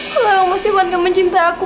kamu masih banget gak mencintaiku